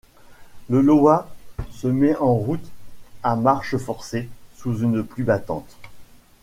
Le Iowa se met en route, à marche forcée, sous une pluie battante.